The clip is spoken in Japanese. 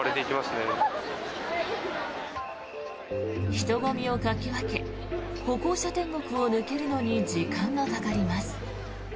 人混みをかき分け歩行者天国を抜けるのに時間がかかります。